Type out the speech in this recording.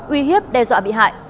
uy hiếp đe dọa bị hại